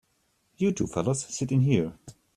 You two fellas sit in here.